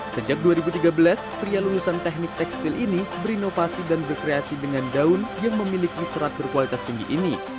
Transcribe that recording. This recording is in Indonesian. sejak dua ribu tiga belas pria lulusan teknik tekstil ini berinovasi dan berkreasi dengan daun yang memiliki serat berkualitas tinggi ini